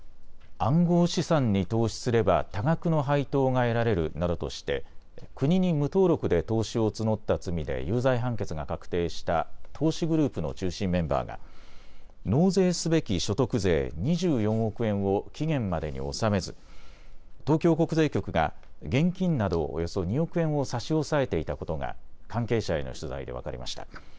暗号資産に投資すれば多額の配当が得られるなどとして国に無登録で投資を募った罪で有罪判決が確定した投資グループの中心メンバーが納税すべき所得税２４億円を期限までに納めず東京国税局が現金などおよそ２億円を差し押さえていたことが関係者への取材で分かりました。